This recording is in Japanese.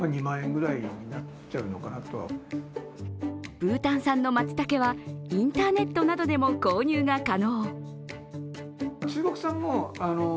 ブータン産のまつたけはインターネットなどでも購入が可能。